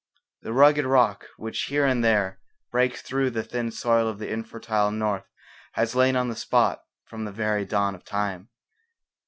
The rugged rock which here and there breaks through the thin soil of the infertile north has lain on the spot from the very dawn of time.